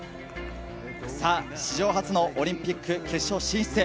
さあ、史上初のオリンピック決勝進出へ。